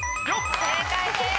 正解です。